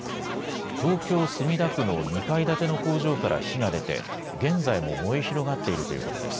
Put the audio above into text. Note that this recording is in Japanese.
東京墨田区の２階建ての工場から火が出て現在も燃え広がっているということです。